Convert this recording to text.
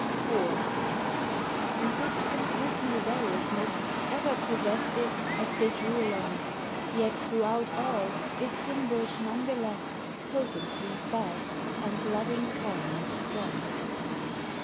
IV And this phantasmal variousness Ever possessed it as they drew along: Yet throughout all it symboled none the less Potency vast and loving kindness strong.